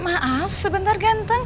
maaf sebentar ganteng